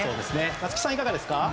松木さん、いかがですか？